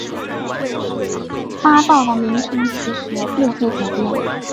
八道的名称其实并非不变。